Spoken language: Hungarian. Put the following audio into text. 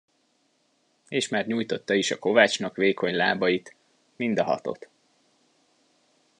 És már nyújtotta is a kovácsnak vékony lábait, mind a hatot.